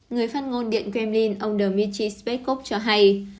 người phát ngôn điện kremlin ông dmitry spekov cho hay